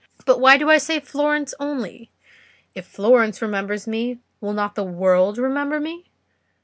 But why do I say Florence only? If Florence remembers me, will not the world remember me?